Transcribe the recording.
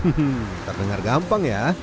hmm terdengar gampang ya